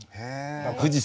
富士山。